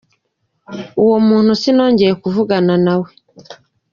Uwo muntu sinongeye kuvugana na we.